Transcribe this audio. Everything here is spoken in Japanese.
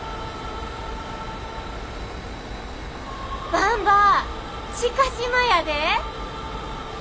ばんば知嘉島やで！